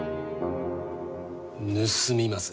盗みまする。